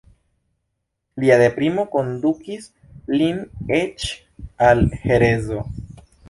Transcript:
Lia deprimo kondukis lin eĉ al herezo.